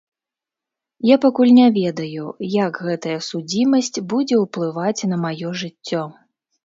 Я пакуль не ведаю, як гэтая судзімасць будзе ўплываць на маё жыццё.